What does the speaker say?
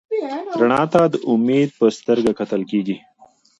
رڼا ته د امید په سترګه کتل کېږي.